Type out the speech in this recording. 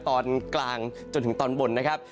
ตอนกลางจนถึงตอนบนนะครับ